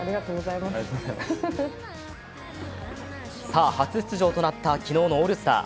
さあ初出場となった昨日のオールスター。